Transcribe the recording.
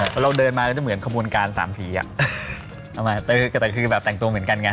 พอเราเดินมาก็จะเหมือนขบวนการสามสีอ่ะแต่คือแบบแต่งตัวเหมือนกันไง